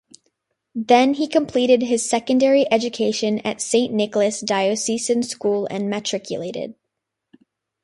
Then he completed his secondary education at St Nicholas Diocesan School and matriculated.